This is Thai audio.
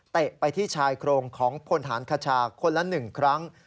ไปที่ชายโครงของพลฐานคชาคนละ๑ครั้ง